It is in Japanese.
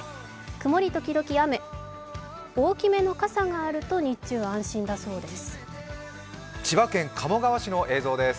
曇り時々雨、大きめの傘があると日中は安心だそうです。